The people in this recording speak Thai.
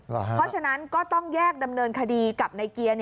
เพราะฉะนั้นก็ต้องแยกดำเนินคดีกับนายเกียร์